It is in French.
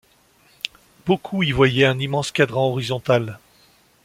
Beaucoup y voyaient un immense cadran horizontal.